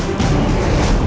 oh iya mereka tahu